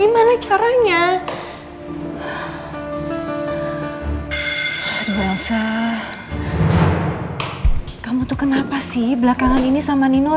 mama itu sudah mampir